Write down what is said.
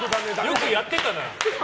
よくやってたな。